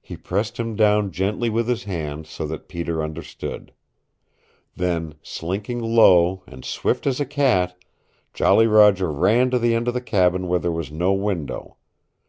He pressed him down gently with his hand, so that Peter understood. Then, slinking low, and swift as a cat, Jolly Roger ran to the end of the cabin where there was no window.